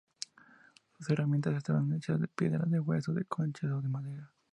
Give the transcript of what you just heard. Sus herramientas estaban hechas de piedra, de hueso, de conchas o de madera.